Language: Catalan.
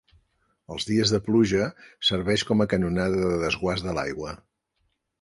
Els dies de pluja serveix com a canonada de desguàs de l'aigua.